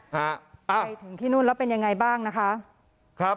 ใกล้ถึงที่นู่นแล้วเป็นยังไงบ้างนะคะ